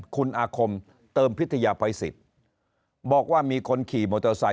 คุณอาคมเติมพิทยาภัยสิทธิ์บอกว่ามีคนขี่มอเตอร์ไซค